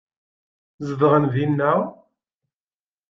Zedɣen dinna.